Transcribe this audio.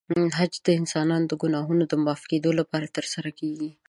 حج د انسانانو د ګناهونو د معاف کېدو لپاره ترسره کېږي.